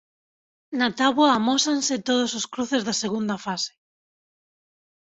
Na táboa amósanse todos os cruces da segunda fase.